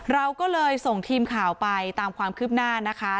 เราก็เลยส่งทีมข่าวไปตามความคืบหน้านะคะ